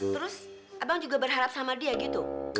terus abang juga berharap sama dia gitu